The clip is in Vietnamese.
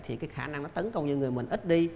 thì cái khả năng nó tấn công cho người mình ít đi